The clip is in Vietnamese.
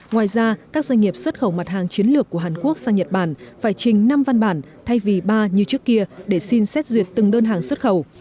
ngoài ra các doanh nghiệp xuất khẩu mặt hàng chiến lược của hàn quốc sang nhật bản phải trình năm văn bản thay vì ba như trước kia để xin xét duyệt từng đơn hàng xuất khẩu